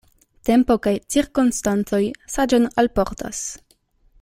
Tempo kaj cirkonstancoj saĝon alportas.